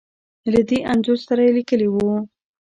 له دې انځور سره يې ليکلې وو .